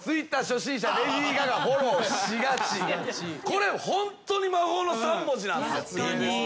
これホントに魔法の３文字なんすよ。